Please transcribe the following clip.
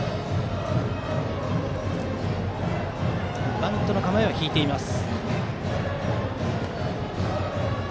バントの構えは引いています。